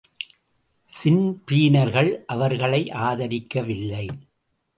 ஸின்பீனர்கள் அவர்களை ஆதரிக்கவில்லை.